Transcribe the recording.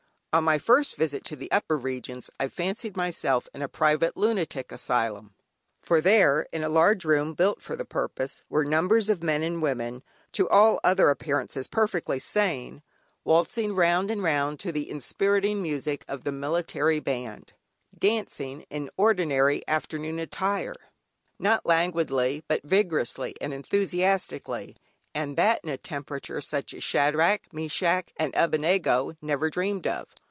On my first visit to the upper regions, I fancied myself in a private lunatic asylum, for there, in a large room built for the purpose, were numbers of men and women, to all other appearances perfectly sane, waltzing round and round to the inspiriting music of the military band; dancing, in ordinary afternoon attire, not languidly, but vigorously and enthusiastically, and that in a temperature such as Shadrach, Meshech and Abednego never dreamed of.